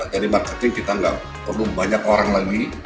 dari marketing kita nggak perlu banyak orang lagi